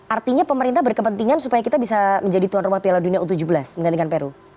artinya pemerintah berkepentingan supaya kita bisa menjadi tuan rumah piala dunia u tujuh belas menggantikan peru